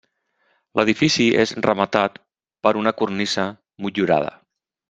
L'edifici és rematat per una cornisa motllurada.